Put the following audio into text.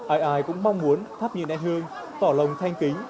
ai ai cũng mong muốn thắp nhìn đẹp hương tỏ lòng thanh kính